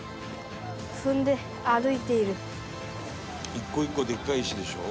一個一個でっかい石でしょ？」